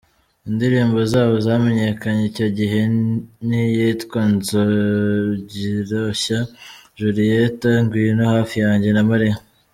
Indirimbo zabo zamenyekanye icyo gihe ni iyitwa: Nzogiroshya, Julieta, Ngwino hafi yanjye na Mariya.